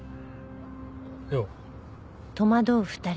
よう。